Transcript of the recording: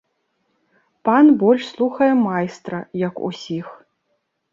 Пан больш слухае майстра, як усіх.